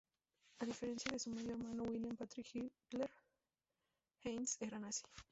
A diferencia de su medio hermano William Patrick Hitler, Heinz era nazi.